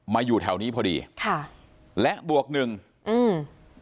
อยู่แถวนี้พอดีค่ะและบวกหนึ่งอืม